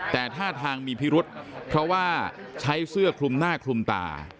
แต่ท่าทางมีพิรุษเพราะว่าใช้เสื้อคลุมหน้าคลุมตา